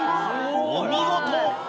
お見事。